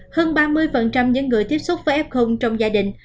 hơn ba mươi những người tiếp xúc với f trong gia đình